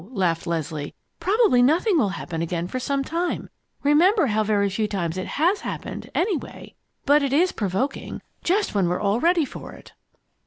laughed Leslie. "Probably nothing will happen again for some time. Remember how very few times it has happened, anyway. But it is provoking just when we're all ready for it!"